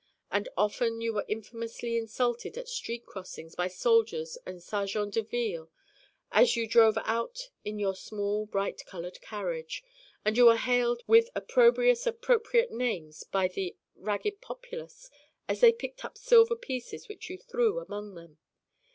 And often you were infamously insulted at street crossings by soldiers and sergeants de ville as you drove out in your small bright colored carriage. And you were hailed with opprobrious appropriate names by the ragged populace as they picked up silver pieces which you threw among them.